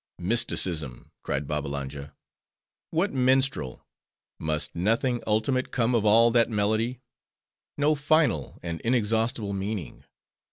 "Mysticism!" cried Babbalanja. "What, minstrel; must nothing ultimate come of all that melody? no final and inexhaustible meaning?